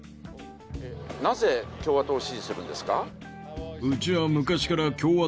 なぜ共和党を支持するんですか？